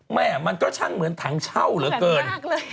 แม่มันก็ช่างเหมือนถังเช่าเหลือเกิน